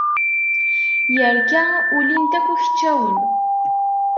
Yerka, ulin-t akk ikeččawen.